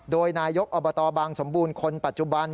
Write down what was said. โดยนายกอบตบางสมบูรณ์คนปัจจุบัน